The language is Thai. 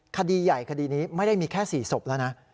คดีใหญ่คดีนี้ไม่ได้มีแค่๔ศพแล้วนะ